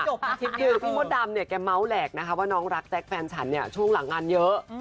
คือพี่มดดำแกรงเมาว์แหล่งว่าน้องรักแจ๊คแฟนฉันช่วงหลังงานเยอะ